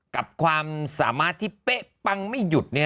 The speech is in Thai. กับความสามารถที่เป๊ะปังไม่หยุด